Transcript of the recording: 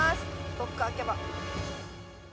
どっか開けば。